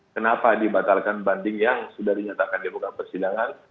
kenapa dibatalkan banding yang sudah dinyatakan di bukal persidangan